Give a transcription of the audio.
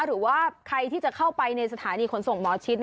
หรือว่าใครที่จะเข้าไปในสถานีขนส่งหมอชิด